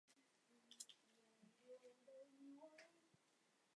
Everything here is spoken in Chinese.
纳卡遗址的历史年代为新石器时代。